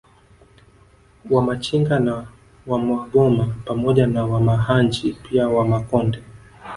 Wamachinga na Wamagoma pamoja na Wamahanji pia Wamakonde